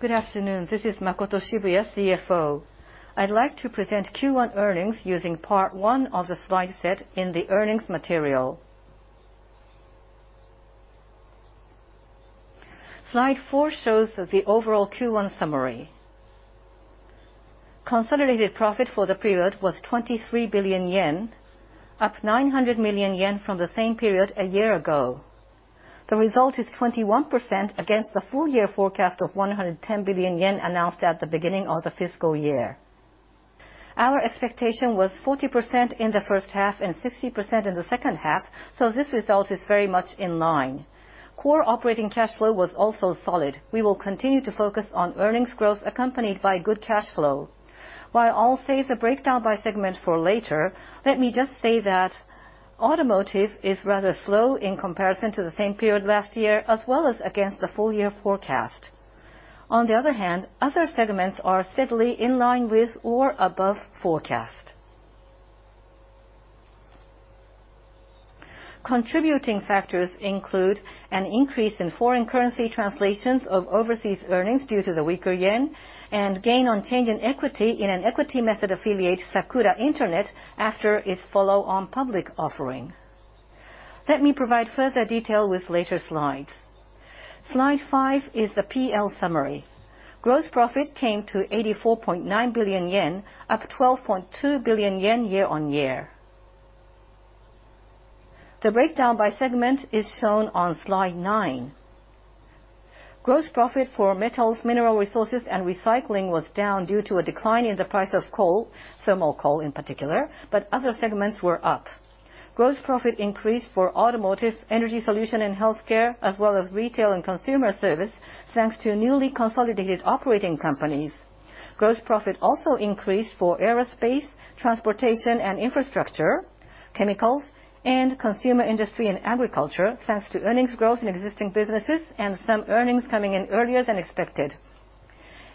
Good afternoon. This is Makoto Shibuya, CFO. I'd like to present Q1 earnings using part one of the slide set in the earnings material. Slide fourshows the overall Q1 summary. Consolidated profit for the period was 23 billion yen, up 900 million yen from the same period a year ago. The result is 21% against the full-year forecast of 110 billion yen announced at the beginning of the fiscal year. Our expectation was 40% in the H1 and 60% in the H2, so this result is very much in line. Core operating cash flow was also solid. We will continue to focus on earnings growth accompanied by good cash flow. While I'll save the breakdown by segment for later, let me just say that automotive is rather slow in comparison to the same period last year, as well as against the full year forecast. On the other hand, other segments are steadily in line with or above forecast. Contributing factors include an increase in foreign currency translations of overseas earnings due to the weaker yen, and gain on change in equity in an equity method affiliate, Sakura Internet, after its follow-on public offering. Let me provide further detail with later slides. Slide five is the PL summary. Gross profit came to 84.9 billion yen, up 12.2 billion yen year-on-year. The breakdown by segment is shown on slide nine. Gross profit for metals, mineral resources, and recycling was down due to a decline in the price of coal, thermal coal in particular, but other segments were up. Gross profit increased for Automotive, Energy Solution and Healthcare, as well as Retail and Consumer Service, thanks to newly consolidated operating companies. Gross profit also increased for aerospace, transportation and infrastructure, chemicals, and consumer industry and agriculture, thanks to earnings growth in existing businesses and some earnings coming in earlier than expected.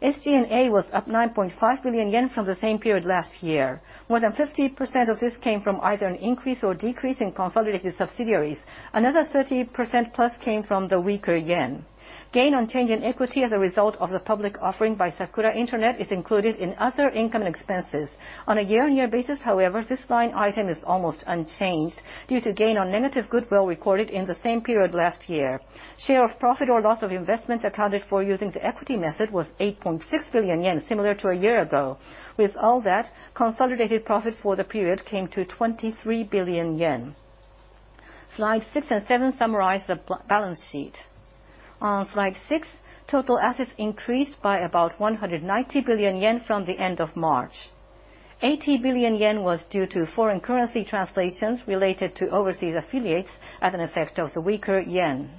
SG&A was up 9.5 billion yen from the same period last year. More than 50% of this came from either an increase or decrease in consolidated subsidiaries. Another 30% plus came from the weaker yen. Gain on change in equity as a result of the public offering by Sakura Internet is included in other income and expenses. On a year-on-year basis, however, this line item is almost unchanged due to gain on negative goodwill recorded in the same period last year. Share of profit or loss of investments accounted for using the equity method was 8.6 billion yen, similar to a year ago. With all that, consolidated profit for the period came to 23 billion yen. Slide six and seven summarize the balance sheet. On slide six, total assets increased by about 190 billion yen from the end of March. 80 billion yen was due to foreign currency translations related to overseas affiliates as an effect of the weaker yen.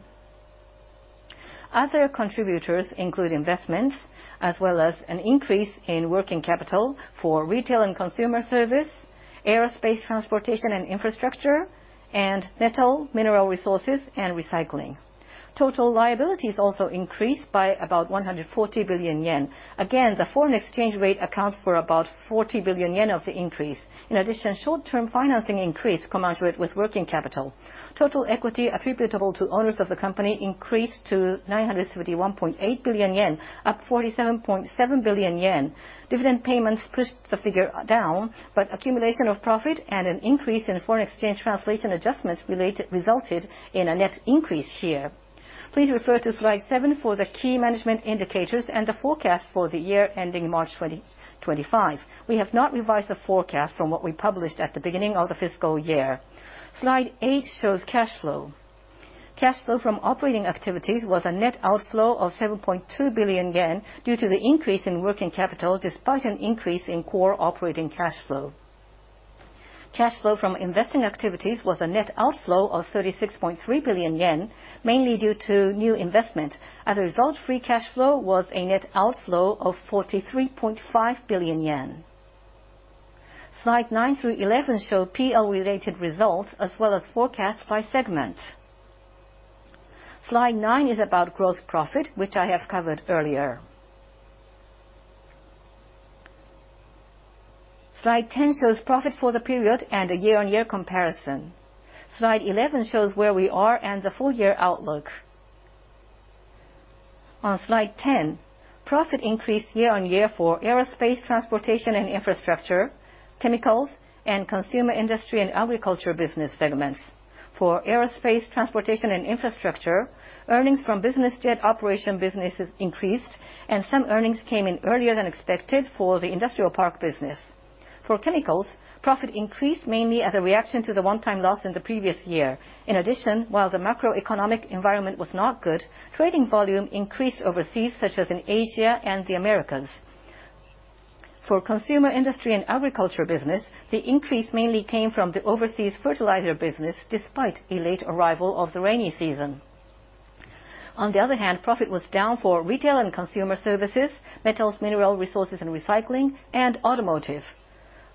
Other contributors include investments, as well as an increase in working capital for retail and consumer service, aerospace, transportation and infrastructure, and metal, mineral resources, and recycling. Total liabilities also increased by about 140 billion yen. Again, the foreign exchange rate accounts for about 40 billion yen of the increase. In addition, short-term financing increased commensurate with working capital. Total equity attributable to owners of the company increased to 971.8 billion yen, up 47.7 billion yen. Dividend payments pushed the figure down, but accumulation of profit and an increase in foreign exchange translation adjustments resulted in a net increase here. Please refer to slide seven for the key management indicators and the forecast for the year ending March 2025. We have not revised the forecast from what we published at the beginning of the fiscal year. Slide eight shows cash flow. Cash flow from operating activities was a net outflow of 7.2 billion yen due to the increase in working capital, despite an increase in core operating cash flow. Cash flow from investing activities was a net outflow of 36.3 billion yen, mainly due to new investment. As a result, free cash flow was a net outflow of 43.5 billion yen. Slide nine through 11 show PL-related results as well as forecast by segment. Slide nine is about Gross profit, which I have covered earlier. Slide 10 shows profit for the period and a year-on-year comparison. Slide 11 shows where we are and the full year outlook. On slide 10, profit increased year-on-year for aerospace, transportation and infrastructure, chemicals, and consumer industry and agriculture business segments. For aerospace, transportation and infrastructure, earnings from business jet operation businesses increased, and some earnings came in earlier than expected for the industrial park business. For chemicals, profit increased mainly as a reaction to the one-time loss in the previous year. In addition, while the macroeconomic environment was not good, trading volume increased overseas, such as in Asia and the Americas. For consumer industry and agriculture business, the increase mainly came from the overseas fertilizer business, despite a late arrival of the rainy season. On the other hand, profit was down for Retail and Consumer Services, Metals, Mineral Resources and Recycling, and Automotive.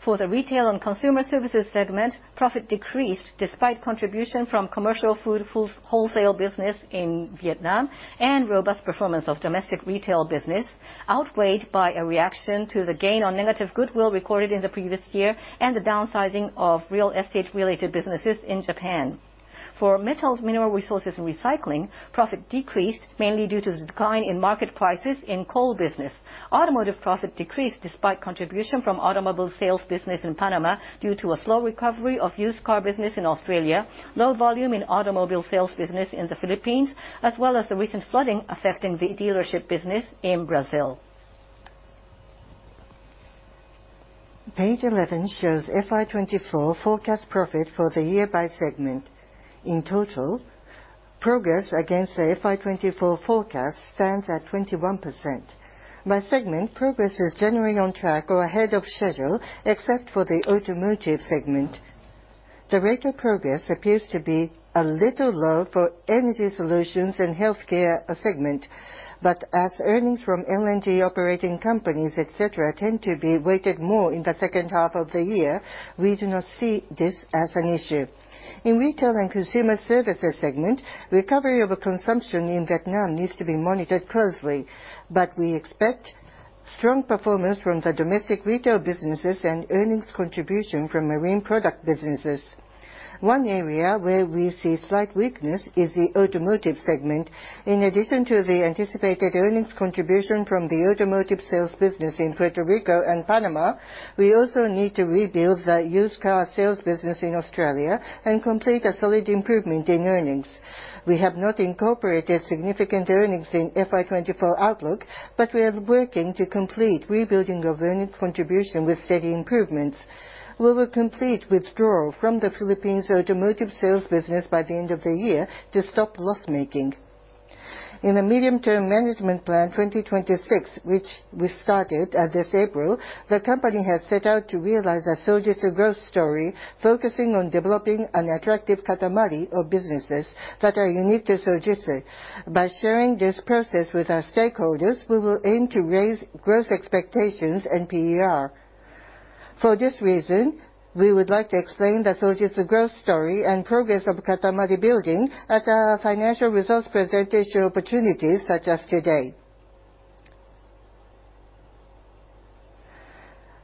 For the Retail and Consumer Services segment, profit decreased despite contribution from commercial food, wholesale business in Vietnam, and robust performance of domestic retail business, outweighed by a reaction to the gain on negative goodwill recorded in the previous year and the downsizing of real estate related businesses in Japan. For Metals, Mineral resources, and Recycling, profit decreased mainly due to the decline in market prices in coal business. Automotive profit decreased despite contribution from automobile sales business in Panama, due to a slow recovery of used car business in Australia, low volume in automobile sales business in the Philippines, as well as the recent flooding affecting the dealership business in Brazil. Page 11 shows FY 2024 forecast profit for the year by segment. In total, progress against the FY 2024 forecast stands at 21%. By segment, progress is generally on track or ahead of schedule, except for the Automotive segment. The rate of progress appears to be a little low for Energy Solutions and Healthcare segment, but as earnings from LNG operating companies et cetera, tend to be weighted more in the H2 of the year, we do not see this as an issue. In Retail and Consumer Services segment, recovery of consumption in Vietnam needs to be monitored closely, but we expect strong performance from the domestic retail businesses and earnings contribution from marine product businesses. One area where we see slight weakness is the Automotive segment. In addition to the anticipated earnings contribution from the automotive sales business in Puerto Rico and Panama, we also need to rebuild the used car sales business in Australia and complete a solid improvement in earnings. We have not incorporated significant earnings in FY 2024 outlook, but we are working to complete rebuilding of earning contribution with steady improvements. We will complete withdrawal from the Philippines automotive sales business by the end of the year to stop loss-making. In a Medium-Term Management Plan 2026, which we started at this April, the company has set out to realize a Sojitz growth story, focusing on developing an attractive Katamari of businesses that are unique to Sojitz. By sharing this process with our stakeholders, we will aim to raise growth expectations and PER. For this reason, we would like to explain the Sojitz growth story and progress of Katamari building at our financial results presentation opportunities, such as today.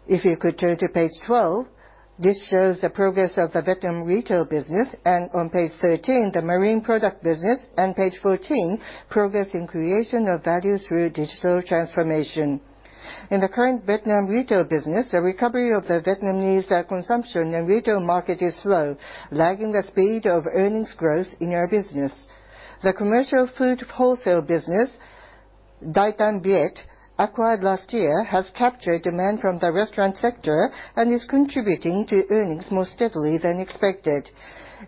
If you could turn to page 12, this shows the progress of the Vietnam retail business, and on page 13, the marine product business, and page 14, progress in creation of value through digital transformation. In the current Vietnam retail business, the recovery of the Vietnamese consumption and retail market is slow, lagging the speed of earnings growth in our business. The commercial food wholesale business, DaiTanViet, acquired last year, has captured demand from the restaurant sector and is contributing to earnings more steadily than expected.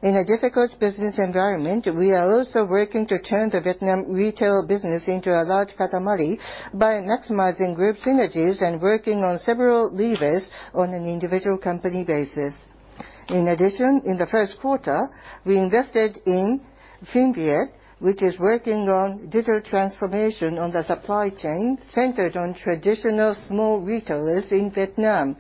In a difficult business environment, we are also working to turn the Vietnam retail business into a large Katamari by maximizing group synergies and working on several levers on an individual company basis. In addition, in the first quarter, we invested in FinViet, which is working on digital transformation on the supply chain, centered on traditional small retailers in Vietnam.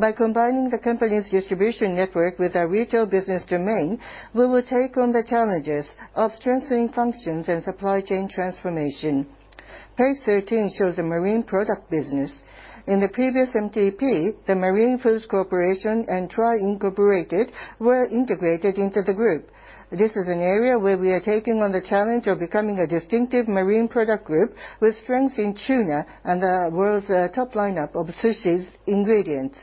By combining the company's distribution network with our retail business domain, we will take on the challenges of strengthening functions and supply chain transformation. Page 13 shows the marine product business. In the previous MTP, The Marine Foods Corporation and Try Inc. were integrated into the group. This is an area where we are taking on the challenge of becoming a distinctive marine product group, with strength in tuna and the world's top lineup of sushi ingredients.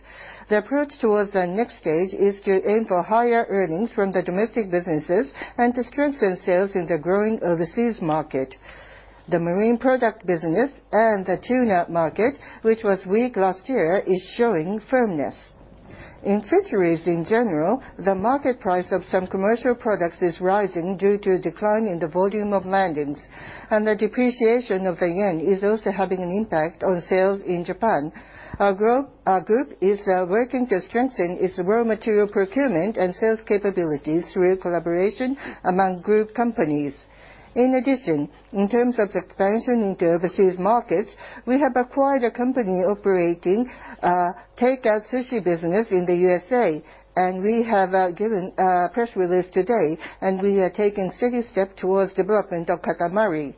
The approach towards the next stage is to aim for higher earnings from the domestic businesses and to strengthen sales in the growing overseas market. The marine product business and the tuna market, which was weak last year, is showing firmness. In fisheries in general, the market price of some commercial products is rising due to a decline in the volume of landings, and the depreciation of the yen is also having an impact on sales in Japan. Our group is working to strengthen its raw material procurement and sales capabilities through collaboration among group companies. In addition, in terms of expansion into overseas markets, we have acquired a company operating a takeout sushi business in the USA, and we have given a press release today, and we are taking steady step towards development of Katamari.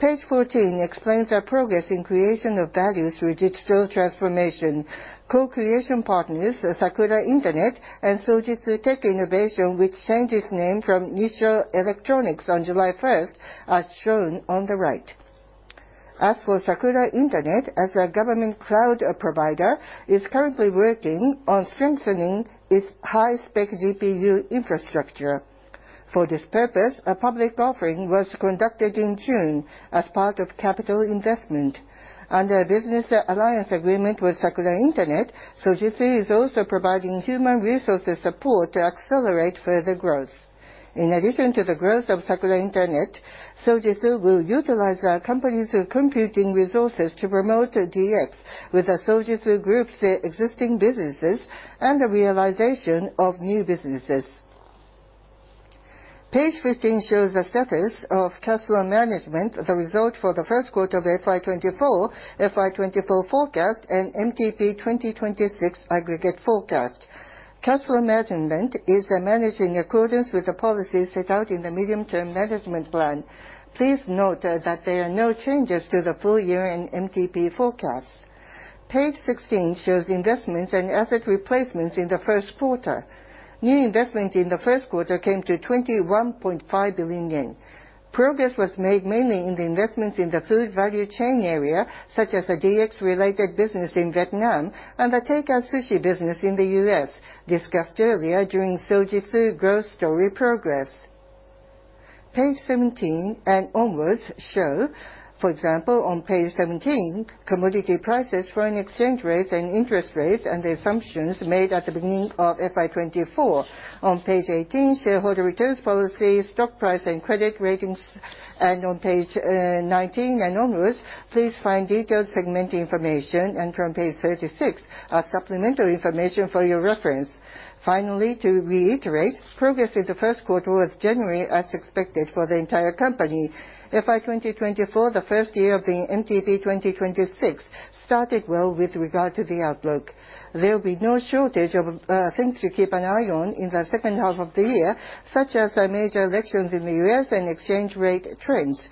Page 14 explains our progress in creation of value through digital transformation. Co-creation partners are Sakura Internet and Sojitz Tech-Innovation, which changed its name from Nissho Electronics on July 1, as shown on the right. As for Sakura Internet, as a government cloud provider, is currently working on strengthening its high-spec GPU infrastructure. For this purpose, a public offering was conducted in June as part of capital investment. Under a business alliance agreement with Sakura Internet, Sojitz is also providing human resources support to accelerate further growth. In addition to the growth of Sakura Internet, Sojitz will utilize our company's computing resources to promote DX with the Sojitz group's existing businesses and the realization of new businesses. Page 15 shows the status of cash flow management, the result for the first quarter of FY 2024, FY 2024 forecast, and MTP 2026 aggregate forecast. Cash flow management is managed in accordance with the policies set out in the medium-term management plan. Please note that there are no changes to the full year and MTP forecasts. Page 16 shows investments and asset replacements in the first quarter. New investment in the first quarter came to 21.5 billion yen. Progress was made mainly in the investments in the food value chain area, such as the DX related business in Vietnam and the takeout sushi business in the US, discussed earlier during Sojitz growth story progress. Page 17 and onwards show, for example, on page 17, commodity prices, foreign exchange rates and interest rates, and the assumptions made at the beginning of FY 2024. On page 18, shareholder returns policy, stock price and credit ratings. And on page 19 and onwards, please find detailed segment information, and from page 36, our supplemental information for your reference. Finally, to reiterate, progress in the first quarter was generally as expected for the entire company. FY 2024, the first year of the MTP 2026, started well with regard to the outlook. There will be no shortage of things to keep an eye on in the H2 of the year, such as the major elections in the US and exchange rate trends.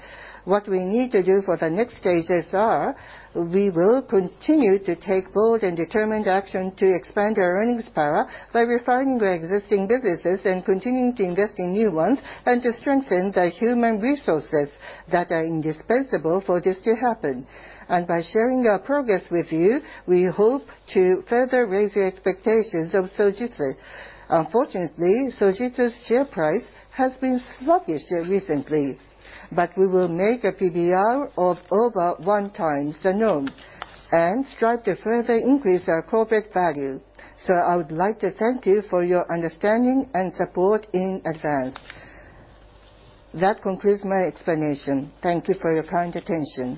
What we need to do for the next stages are, we will continue to take bold and determined action to expand our earnings power by refining the existing businesses and continuing to invest in new ones, and to strengthen the human resources that are indispensable for this to happen. And by sharing our progress with you, we hope to further raise your expectations of Sojitz. Unfortunately, Sojitz's share price has been sluggish recently, but we will make a PBR of over 1x the norm, and strive to further increase our corporate value. I would like to thank you for your understanding and support in advance. That concludes my explanation. Thank you for your kind attention.